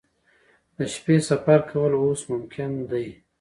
د شپې سفر کول اوس ممکن دي